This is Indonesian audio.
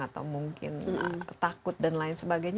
atau mungkin takut dan lain sebagainya